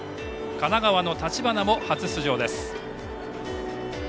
神奈川の橘も初出場です。